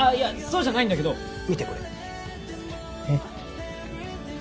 そうじゃないんだけど見てこれ・えっ？